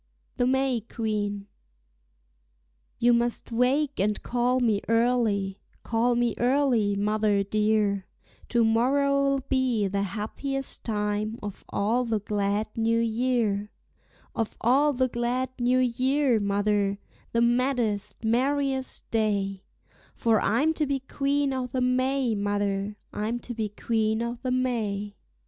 THE MAY QUEEN. You must wake and call me early, call me early, mother dear; To morrow'll be the happiest time of all the glad new year, Of all the glad new year, mother, the maddest, merriest day; For I'm to be Queen o' the May, mother, I'm to be Queen o' the May.